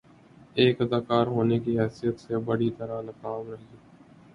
ایک اداکار ہونے کی حیثیت سے بری طرح ناکام رہی